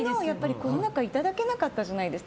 コロナ禍でいただけなかったじゃないですか。